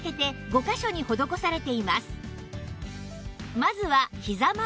まずは